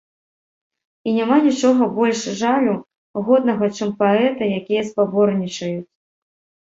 І няма нічога больш жалю годнага, чым паэты, якія спаборнічаюць.